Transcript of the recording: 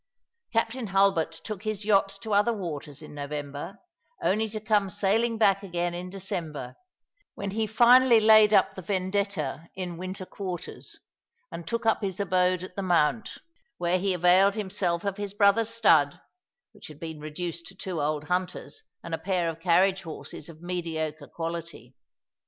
" Captain Hulbcrt took his yacht to other waters in November, only to come sailing back again in December, when he finally laid up the VewMta in winter quarters, and took up his abode at the Mount, where he availed himself of his brother's stud, which had been reduced to two old hunters and a pair of carriage horses of mediocre quality.